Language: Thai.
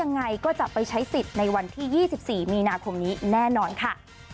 ในประเทศมีนาคมนี้แน่นอนค่ะ